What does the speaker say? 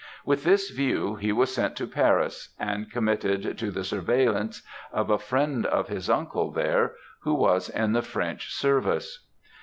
With this view, he was sent to Paris, and committed to the surveillance of a friend of his uncle there, who was in the French service.